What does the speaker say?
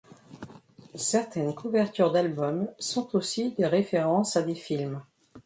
Certaines couvertures d'albums sont aussi des références à des films.